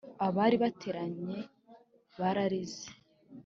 Abari bateranye bararize .